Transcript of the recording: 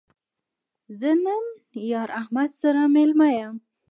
زه نن یار احمد سره مېلمه یم